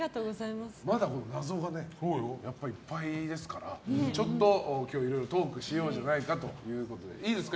まだ謎がいっぱいですからちょっと今日はいろいろトークしようじゃないかということでいいですか？